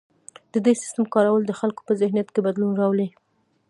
د دې سیستم کارول د خلکو په ذهنیت کې بدلون راوړي.